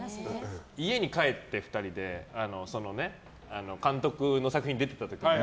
家に帰って２人で監督の作品に出てた時にね。